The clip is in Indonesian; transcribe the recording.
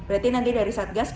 berarti nanti dari satgas